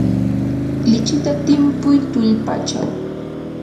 lichita timpuy tullpachaw.